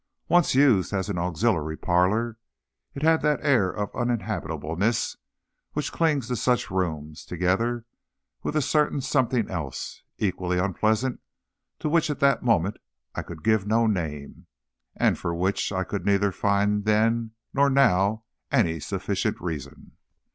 Once used as an auxiliary parlor, it had that air of uninhabitableness which clings to such rooms, together with a certain something else, equally unpleasant, to which at that moment I could give no name, and for which I could neither find then nor now any sufficient reason.